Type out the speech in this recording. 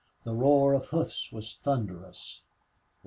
The roar of hoofs was thunderous.